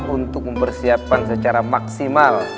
untuk mempersiapkan secara maksimal